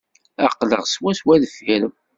Aql-aɣ swaswa deffir-m.